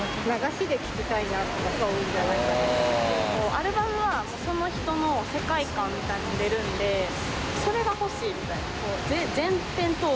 アルバムはその人の世界観みたいなのが出るのでそれが欲しいみたいな。